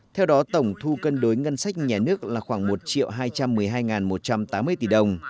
theo đó tổng thu cân đối ngân sách nhà nước là khoảng một hai trăm một mươi hai một trăm tám mươi tỷ đồng